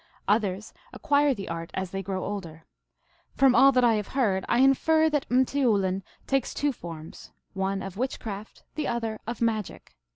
Others acquire the art as they grow older. From all that I have heard I infer that m teoulin takes two forms, one of witchcraft, the other of magic.